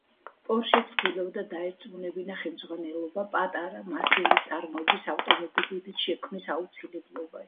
პორშე ცდილობდა დაერწმუნებინა ხელმძღვანელობა პატარა, მასიური წარმოების ავტომობილის შექმნის აუცილებლობაში.